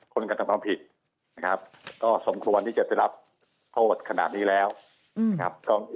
ก็ค่อนข้างพอสมควรนะครับ